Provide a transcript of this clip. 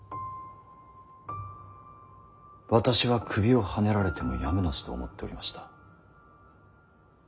私は首をはねられてもやむなしと思っておりました。